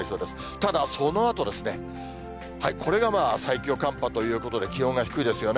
ただ、そのあとですね、これが最強寒波ということで、気温が低いですよね。